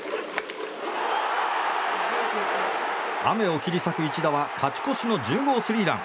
雨を切り裂く一打は勝ち越しの１０号スリーラン。